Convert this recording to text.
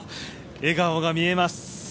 笑顔が見えます。